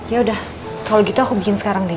yaudah kalau gitu aku bikin sekarang deh